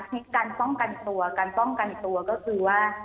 การป้องกันตัวการป้องกันตัวก็คือว่า